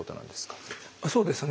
そうですね